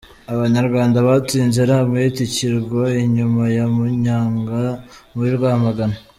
Abanyarwanda batsinze Ntamwete i Kirwa inyuma ya Munyaga muri Rwamagana.